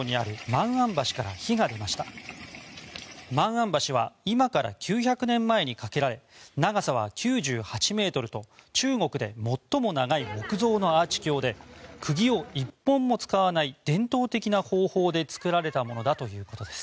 万安橋は今から９００年前に架けられ長さは９８ｍと中国で最も長い木造のアーチ橋で釘を１本も使わない伝統的な方法で